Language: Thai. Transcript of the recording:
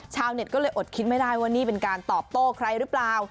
ชาวเน็ตก็เลยอดคิดไม่ได้ว่านี่เป็นการตอบโต้ใครหรือเปล่า